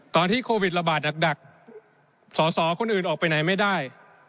โควิดระบาดหนักสอสอคนอื่นออกไปไหนไม่ได้